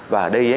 và ở đây